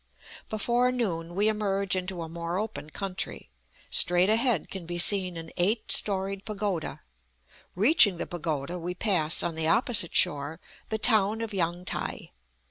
Before noon we emerge into a more open country; straight ahead can be seen an eight storied pagoda. Beaching the pagoda, we pass, on the opposite shore, the town of Yang tai